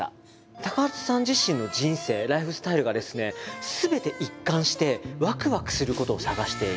高畑さん自身の人生ライフスタイルがですねすべて一貫してわくわくすることを探している。